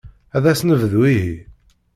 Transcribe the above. As-d ad nebdu, ihi.